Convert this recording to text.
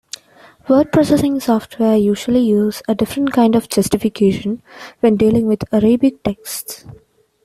Word-processing software usually use a different kind of justification when dealing with Arabic texts.